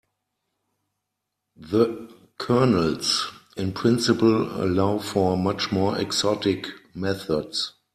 The kernels in principle allow for much more exotic methods.